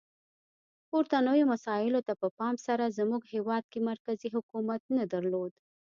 پورتنیو مسایلو ته په پام سره زموږ هیواد کې مرکزي حکومت نه درلود.